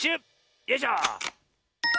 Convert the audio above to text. よいしょ。